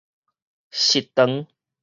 食堂